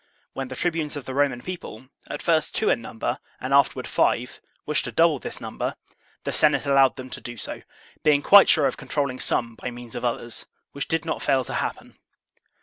When the tribunes of the Roman people, at first two in number and afterward five, wished to double this number, the Senate allowed them to do so, being quite sure of controlling some by means of others, which did not fail to happen.